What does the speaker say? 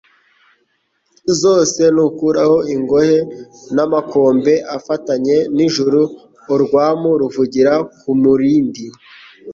Zose ntukuraho ingohe.N' amakombe afatanye n' ijuru Urwamu ruvugira ku murindi